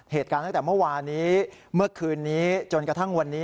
เหตุการณ์ตั้งแต่เมื่อวานนี้เมื่อคืนนี้จนกระทั่งวันนี้